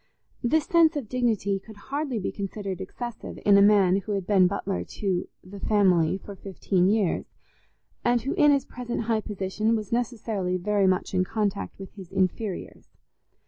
This sense of dignity could hardly be considered excessive in a man who had been butler to "the family" for fifteen years, and who, in his present high position, was necessarily very much in contact with his inferiors.